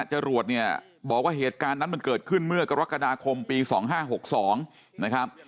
จรวดเนี่ยบอกว่าเหตุการณ์นั้นมันเกิดขึ้นเมื่อกรกฎาคมปี๒๕๖๒นะครับ